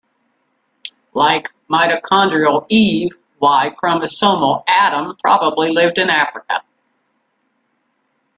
Like mitochondrial "Eve", Y-chromosomal "Adam" probably lived in Africa.